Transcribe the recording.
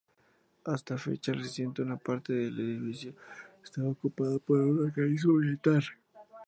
Hasta fecha reciente una parte del edificio estaba ocupada por un organismo militar.